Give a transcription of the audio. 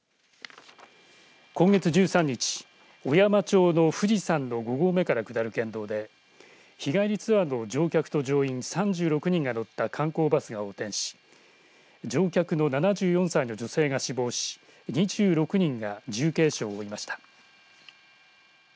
今月１３日小山町の富士山の５合目から下る県道で日帰りツアーの乗客と乗員３６人が乗った観光バスが横転し乗客の７４歳の女性が死亡し２６人が重軽傷を負いました。